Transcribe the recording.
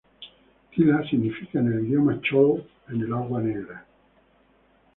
Tila, significa en el idioma chol En el agua negra.